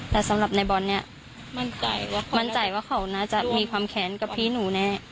แต่สำหรับในบอลเนี่ยมั่นใจว่ามั่นใจว่าเขาน่าจะมีความแค้นกับพี่หนูแน่